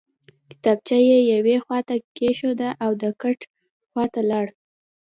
کتابچه یې یوې خواته کېښوده او د کټ خواته لاړ